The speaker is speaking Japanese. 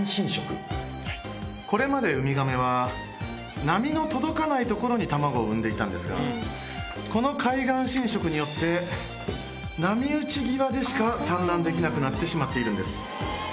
これまでウミガメは、波の届かない所に卵を産んでいたんですが、この海岸浸食によって、波打ち際でしか産卵できなくなってしまっているんです。